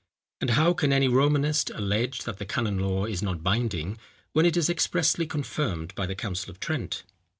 And how can any Romanist allege that the canon law is not binding, when it is expressly confirmed by the council of Trent?